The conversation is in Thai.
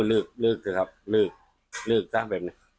อู้วลืกลืกสิครับลืกลืกสิครับแบบนี้